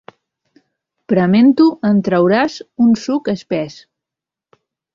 Prement-ho en trauràs un suc espès.